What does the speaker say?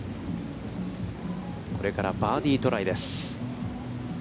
これからバーディートライです。